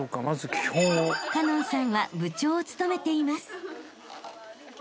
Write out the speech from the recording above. ［花音さんは部長を務めています］